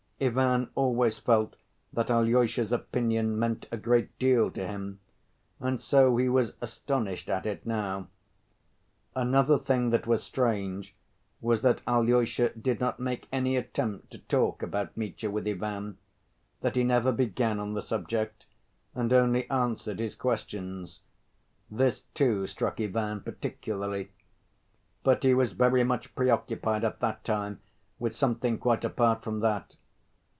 Ivan always felt that Alyosha's opinion meant a great deal to him, and so he was astonished at it now. Another thing that was strange was that Alyosha did not make any attempt to talk about Mitya with Ivan, that he never began on the subject and only answered his questions. This, too, struck Ivan particularly. But he was very much preoccupied at that time with something quite apart from that.